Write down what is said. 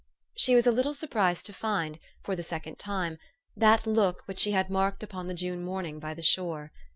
She was a little surprised to find, for the sec 216 THE STORY OF AVIS ond time, that look which she had marked upon the June morning by the shore.